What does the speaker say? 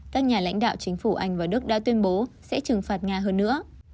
các nhà lãnh đạo chính phủ anh và đức đã tuyên bố sẽ trừng phạt nga hơn nữa